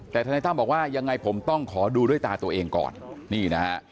แต่ทนายตั้มบอกว่ายังไงผมต้องขอดูด้วยตาตัวเองก่อนนี่นะฮะ